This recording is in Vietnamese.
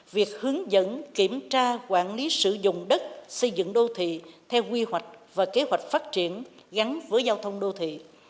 việc hướng dẫn kiểm tra quản lý sử dụng đất xây dựng đô thị theo quy hoạch và kế hoạch phát triển gắn với giao thông đô thị